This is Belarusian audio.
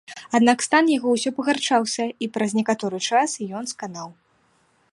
Аднак стан яго ўсё пагаршаўся і праз некаторы час ён сканаў.